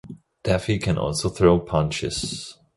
Daffy can also throw punches.